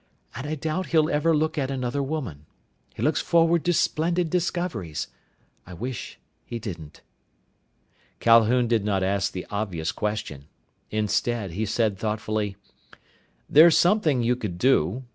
"And I doubt he'll ever look at another woman. He looks forward to splendid discoveries. I wish he didn't." Calhoun did not ask the obvious question. Instead, he said thoughtfully, "There's something you could do.